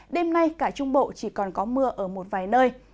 đêm nay cả trung bộ chỉ còn có mưa ở một vài nơi